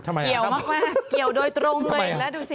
เกี่ยวมากว่าเกี่ยวโดยตรงเลยนะดูสิ